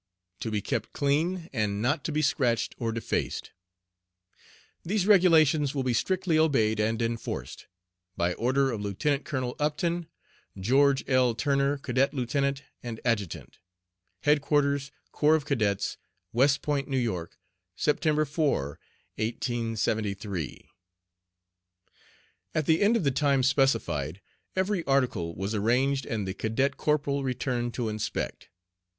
To be kept clean, and not to be scratched or defaced. These Regulations will be strictly obeyed and enforced. By order of LIEUT. COLONEL UPTON, GEORGE L. TURNER, Cadet Lieut. and Adjutant. HEADQUARTERS, CORPS OF CADETS, West Point, N. Y., Sept. 4, 1873. At the end of the time specified every article was arranged and the cadet corporal returned to inspect.